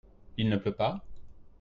Il ne pleut pas ?